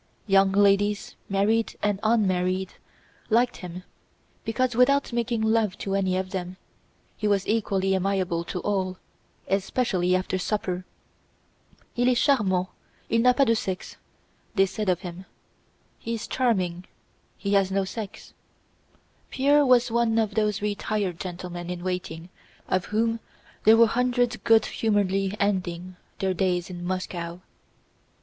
Young ladies, married and unmarried, liked him because without making love to any of them, he was equally amiable to all, especially after supper. "Il est charmant; il n'a pas de sexe," * they said of him. * "He is charming; he has no sex." Pierre was one of those retired gentlemen in waiting of whom there were hundreds good humoredly ending their days in Moscow.